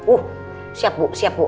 uh siap bu siap bu